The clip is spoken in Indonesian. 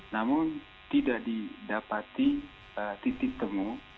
namun tidak didapati titik temu